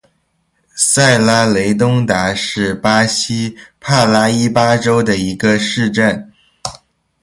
塞拉雷东达是巴西帕拉伊巴州的一个市镇。